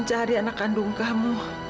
haris gak bisa bu